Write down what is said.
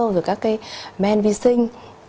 và các cái men vi sinh